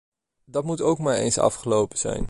Dat moet ook maar eens afgelopen zijn.